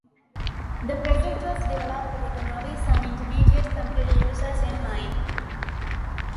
The project was developed with novice and intermediate computer users in mind.